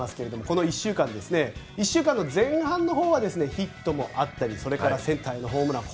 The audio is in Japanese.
この１週間、前半のほうはヒットもあったりセンターへのホームラン。